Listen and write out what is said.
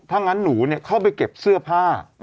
ถ้างั้นหนูเข้าไปเก็บเสื้อผ้า